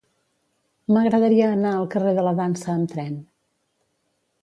M'agradaria anar al carrer de la Dansa amb tren.